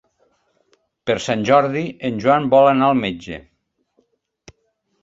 Per Sant Jordi en Joan vol anar al metge.